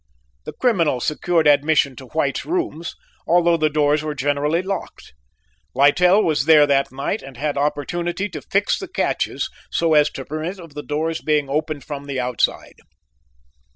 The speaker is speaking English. The criminal secured admission to White's rooms, although the doors were generally locked. Littell was there that night and had opportunity to fix the catches so as to permit of the doors being opened from the outside.